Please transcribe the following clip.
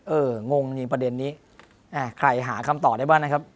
งงนี่ประเด็นนี้ใครหาคำตอบได้บ้างนะครับ